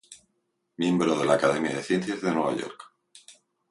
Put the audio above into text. Miembro de la Academia de Ciencias de Nueva York.